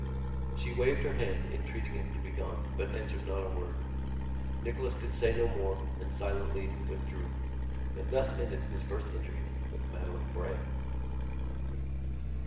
She waved her hand, entreating him to be gone, but answered not a word. Nicholas could say no more, and silently withdrew. And thus ended his first interview with Madeline Bray.